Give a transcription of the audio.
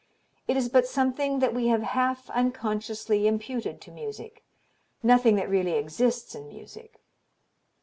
It is but something that we have half unconsciously imputed to music; nothing that really exists in music."